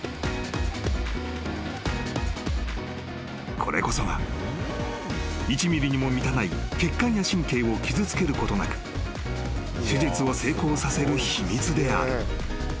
［これこそが１ｍｍにも満たない血管や神経を傷つけることなく手術を成功させる秘密である］